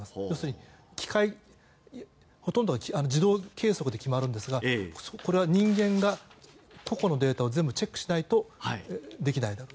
要するにほとんど自動計測で決まるんですがこれは人間が個々のデータをチェックしないとできない。